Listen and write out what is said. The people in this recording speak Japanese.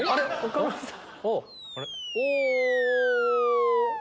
岡村さん。